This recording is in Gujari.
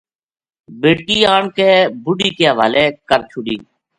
بیٹکی آن کے بڈھی کے حوالے کر چھوڈی